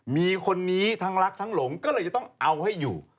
มีคนนี้ทั้งรักทั้งหลงก็เลยจะต้องเอาให้อยู่